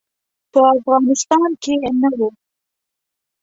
په افغانستان کې نه وو.